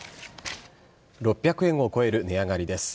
６００円を超える値上がりです。